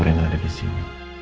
rena ada disini